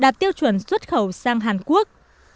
đạt tiêu chuẩn xuất khẩu sang hàn quốc